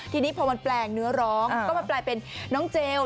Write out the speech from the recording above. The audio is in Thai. ที่นี้พอมันเปลี่ยนเนื้อร้องก็มาเปลี่ยนเป็นน๊อคเจล